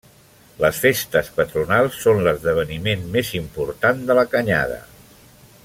Les festes patronals són l'esdeveniment més important de la Canyada.